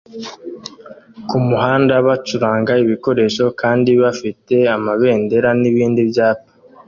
kumuhanda bacuranga ibikoresho kandi bafite amabendera nibindi byapa